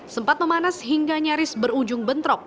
sempat memanas hingga nyaris berujung bentrok